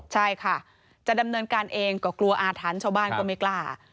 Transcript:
ใช่ค่ะจะดำเนินการเองก็กลัวอาถรรพ์ชาวบ้านก็ไม่กล้า